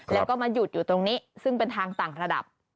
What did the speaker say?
แล้วก็มาหยุดอยู่ตรงนี้ซึ่งเป็นทางต่างระดับ